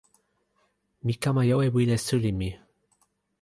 mi kama jo e wile suli mi.